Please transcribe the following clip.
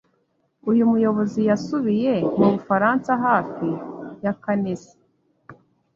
uyu muyobozi yasubiye mu Bufaransa hafi ya Canesi